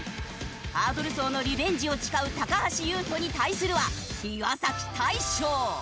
ハードル走のリベンジを誓う橋優斗に対するは岩大昇。